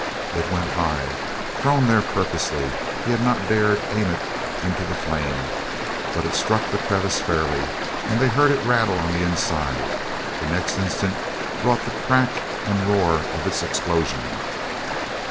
It went high—thrown there purposely; he had not dared aim it into the flame. But it struck the crevice fairly, and they heard it rattle on inside. The next instant brought the crack and roar of its explosion.